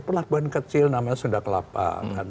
pelabuhan kecil namanya sunda kelapa